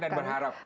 yakin dan berharap